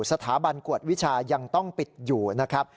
สถาบันกวดวิชายังต้องปิดอยู่นะครับ